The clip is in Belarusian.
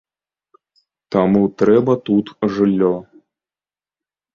Таму трэба тут жыллё.